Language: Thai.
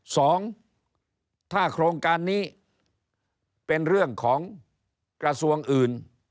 สองถ้าโครงการนี้เป็นเรื่องของกระทรวงอื่น